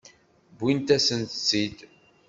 Wwint-asent-tt-id.